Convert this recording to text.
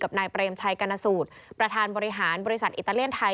นายเปรมชัยกรณสูตรประธานบริหารบริษัทอิตาเลียนไทย